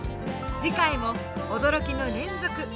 次回も驚きの連続。